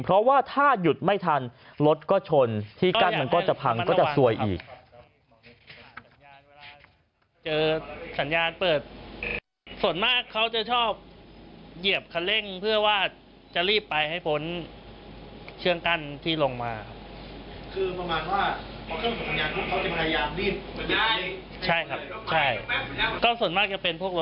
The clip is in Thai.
เพราะว่าถ้าหยุดไม่ทันรถก็ชนที่กั้นมันก็จะพังก็จะซวยอีก